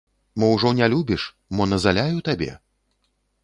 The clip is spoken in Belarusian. Мо ўжо не любіш, мо назаляю табе?